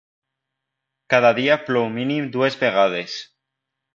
Cada dia plou mínim dues vegades.